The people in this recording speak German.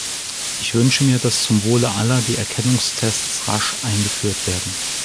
Ich wünsche mir, dass zum Wohle aller die Erkennungstests rasch eingeführt werden.